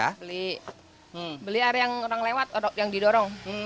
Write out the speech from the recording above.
beli air yang orang lewat yang didorong